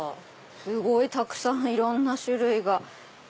すごいたくさんいろんな種類が。